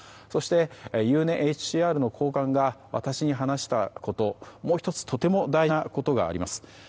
そしてＵＮＨＣＲの高官が私に話したこともう１つとても大事なことがあります。